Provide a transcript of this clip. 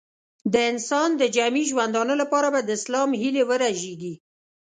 د انسان د جمعي ژوندانه لپاره به د اسلام هیلې ورژېږي.